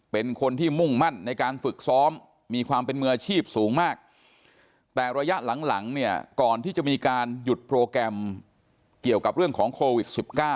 เป็นคนที่มุ่งมั่นในการฝึกซ้อมมีความเป็นมืออาชีพสูงมากแต่ระยะหลังเนี่ยก่อนที่จะมีการหยุดโปรแกรมเกี่ยวกับเรื่องของโควิด๑๙